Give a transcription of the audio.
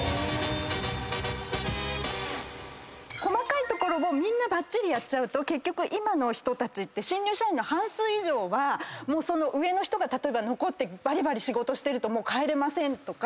細かいところをみんなばっちりやっちゃうと今の人たちって新入社員の半数以上は上の人が残ってバリバリ仕事してると帰れませんとか。